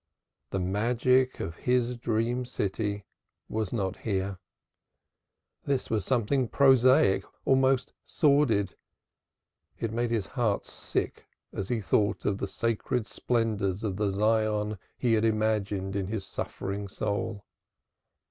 The magic of his dream city was not here. This was something prosaic, almost sordid. It made his heart sink as he thought of the sacred splendors of the Zion he had imaged in his suffering soul.